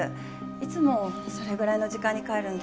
いつもそれぐらいの時間に帰るんで。